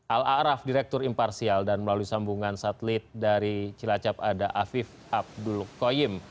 al a'raf direktur imparsial dan melalui sambungan satelit dari cilacap ada afif abdul qoyim